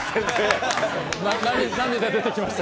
涙出てきました。